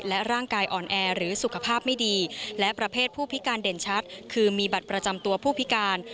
และร่างกายอ่อนแอหรือสุขภาพไม่ดีและประเภทผู้พิการเด่นชัดคือมีบัตรประจำตัวผู้พิการ